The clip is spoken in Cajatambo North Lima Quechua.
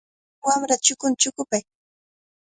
Wamrata chukunta chukupay.